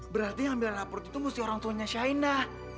berarti yang ambil raport itu mesti orang tuanya shaina